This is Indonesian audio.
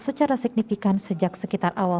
secara signifikan sejak sekitar awal